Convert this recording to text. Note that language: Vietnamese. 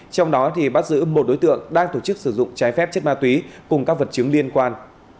trong đó bắt giữ một đối tượng đang tổ chức sử dụng trái phép chất ma túy cùng các vật chứng liên quan